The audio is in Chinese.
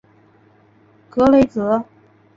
格雷泽。